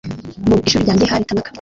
Mu ishuri ryanjye hari Tanaka.